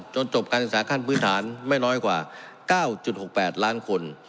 จบการศึกษาขั้นพื้นฐานไม่น้อยกว่า๙๖๘ล้านคน